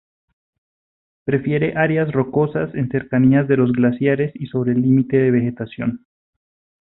Prefiere áreas rocosas en cercanías de los glaciares y sobre el limite de vegetación.